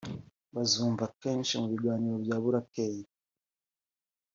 bazumva kenshi mu biganiro bya burakeye